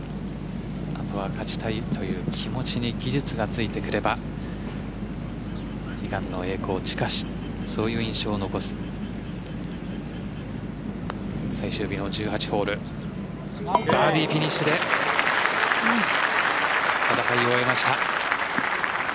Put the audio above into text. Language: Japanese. あとは勝ちたいという気持ちに技術がついてくれば悲願の栄光近しそういう印象を残す最終日の１８ホールバーディーフィニッシュで戦いを終えました。